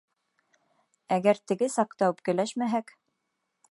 Әгәр теге саҡта үпкәләшмәһәк...